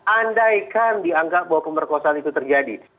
andaikan dianggap bahwa pemerkosaan itu terjadi